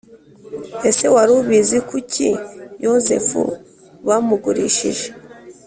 Ese wari ubizi Kuki Yozefu bamugurishije‽